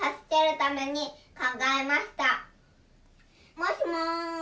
もしもし。